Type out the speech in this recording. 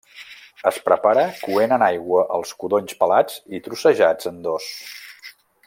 Es prepara coent en aigua els codonys pelats i trossejats en dos.